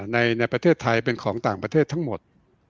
ในประเทศไทยเป็นของต่างประเทศทั้งหมด